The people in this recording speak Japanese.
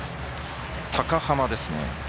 高濱ですね。